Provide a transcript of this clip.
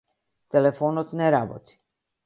Телефонот не работи.